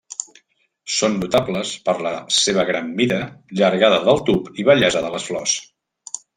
Són notables per la seva gran mida, llargada del tub i bellesa de les flors.